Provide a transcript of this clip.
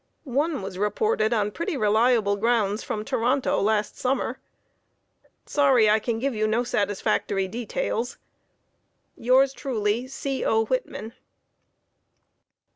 One was reported on pretty reliable grounds from Toronto last summer. Sorry I can give you no satisfactory details. Yours truly, C. O. Whitman.